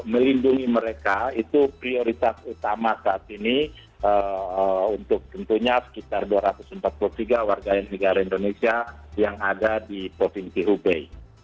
melindungi mereka itu prioritas utama saat ini untuk tentunya sekitar dua ratus empat puluh tiga warga negara indonesia yang ada di provinsi hubei